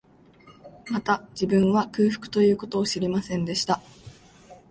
また、自分は、空腹という事を知りませんでした